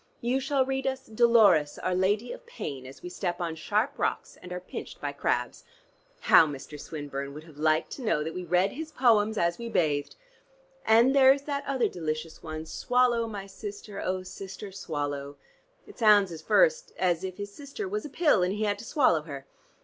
You shall read us 'Dolores, our Lady of Pain,' as we step on sharp rocks and are pinched by crabs. How Mr. Swinburne would have liked to know that we read his poems as we bathed. And there's that other delicious one 'Swallow, my Sister, oh, Sister Swallow.' It sounds at first as if his sister was a pill, and he had to swallow her.